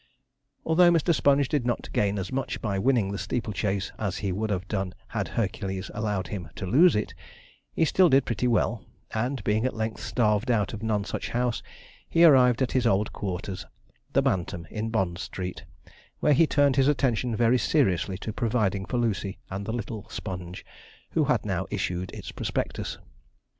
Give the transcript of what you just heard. Although Mr. Sponge did not gain as much by winning the steeple chase as he would have done had Hercules allowed him to lose it, he still did pretty well; and being at length starved out of Nonsuch House, he arrived at his old quarters, the Bantam, in Bond Street, where he turned his attention very seriously to providing for Lucy and the little Sponge, who had now issued its prospectus.